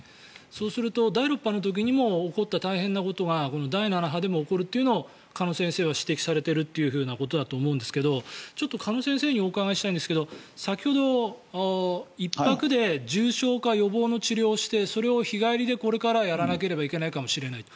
そうすると、第６波の時に起こった大変なことがこの第７波でも起こるというのを鹿野先生は指摘されているということだと思いますがちょっと鹿野先生にお伺いしたいんですけど先ほど、１泊で重症化予防の治療をしてそれを日帰りでこれからはやらなければいけないかもしれない。